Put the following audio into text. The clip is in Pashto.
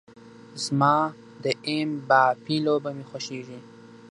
زه د ایم با في لوبه مې خوښیږي